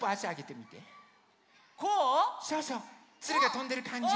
つるがとんでるかんじ。